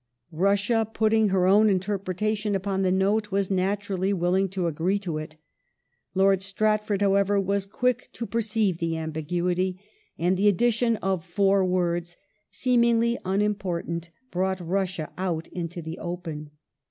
Russia, putting her own interpretation upon the Note, was naturally willing to agree to it Loi d Stratford, however, was quick to perceive the ambiguity, and the addition of four words, seemingly unimportant, brought Russia out into the open.